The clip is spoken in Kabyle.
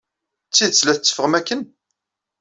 D tidet la tetteffɣem akken?